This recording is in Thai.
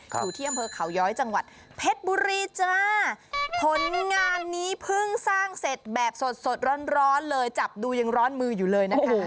อยู่ที่อำเภอเขาย้อยจังหวัดเพชรบุรีจ้าผลงานนี้เพิ่งสร้างเสร็จแบบสดสดร้อนร้อนเลยจับดูยังร้อนมืออยู่เลยนะคะ